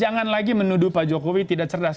jangan lagi menuduh pak jokowi tidak cerdas